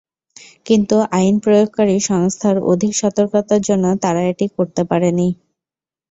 কিন্তু আইন প্রয়োগকারী সংস্থার অধিক সতর্কতার জন্য তারা এটা করতে পারেনি।